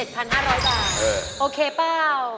๗๕๐๐บาทโอเคเปล่า